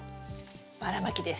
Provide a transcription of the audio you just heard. ばらまきです。